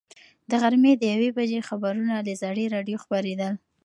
د غرمې د یوې بجې خبرونه له زړې راډیو خپرېدل.